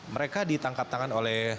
mereka ditangkap tangan oleh